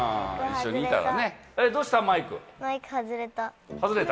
どうした？